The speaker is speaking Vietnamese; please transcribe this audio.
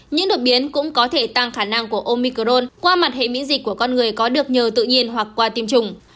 những đột biến cũng có thể tăng khả năng của omicrone qua mặt hệ miễn dịch của con người có được nhờ tự nhiên hoặc qua tiêm chủng